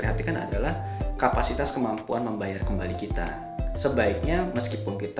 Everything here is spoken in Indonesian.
jangan sampai kemampuan membayar kembali itu lebih dari kesehatan keuangan kita